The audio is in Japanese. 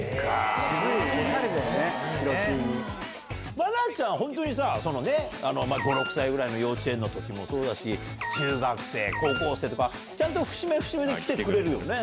愛菜ちゃんは本当にさ５６歳ぐらいの幼稚園の時もそうだし中学生高校生とか節目節目で来てくれるよね